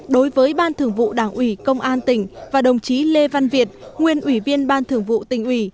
đối với ban thường vụ đảng ủy công an tỉnh và đồng chí lê văn việt nguyên ủy viên ban thường vụ tỉnh ủy